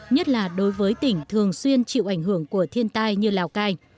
nhất là đối với tỉnh thường xuyên chịu ảnh hưởng của thiên tai như lào cai